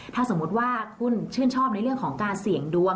ถ้าสมมุติว่าคุณชื่นชอบในเรื่องของการเสี่ยงดวง